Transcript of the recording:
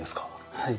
はい。